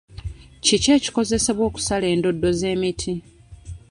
Kiki ekikozesebwa okusala endoddo z'emiti?